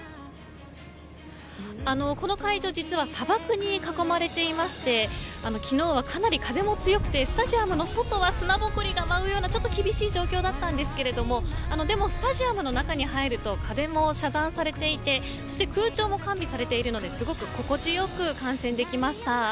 この会場、実は砂漠に囲まれていまして昨日はかなり風も強くてスタジアムの外は砂埃が舞うようなちょっと厳しい状況だったんですけれどもでもスタジアムの中に入ると風も遮断されていて空調も完備されているのですごく心地よく観戦できました。